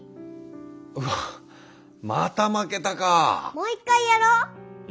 もう一回やろう。